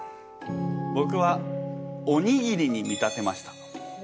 ぼくはおにぎりに見立てました。